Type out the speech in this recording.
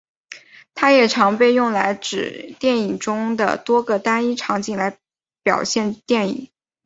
它也常被用来指电影中的多个单一场景来表现电影。